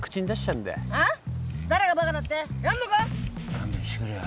勘弁してくれよ。